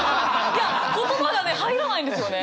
いや言葉がね入らないんですよね。